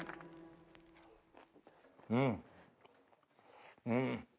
うんうん。